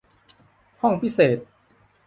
ห้องพิเศษ